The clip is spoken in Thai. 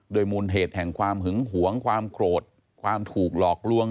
มูลเหตุแห่งความหึงหวงความโกรธความถูกหลอกลวง